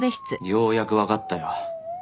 ようやくわかったよ